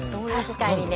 確かにね。